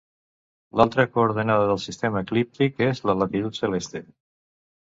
L'altra coordenada del sistema eclíptic és la latitud celeste.